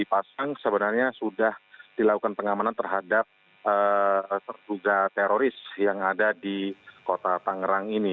pasang sebenarnya sudah dilakukan pengamanan terhadap tertugas teroris yang ada di kota tanggerang ini